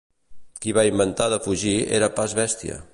Qui va inventar de fugir era pas bèstia.